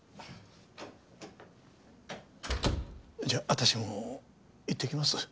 じゃあ私も行ってきます。